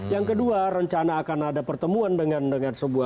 yang kedua rencana akan ada pertemuan dengan sebuah